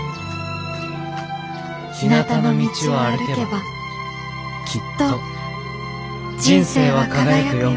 ひなたの道を歩けばきっと人生は輝くよ」。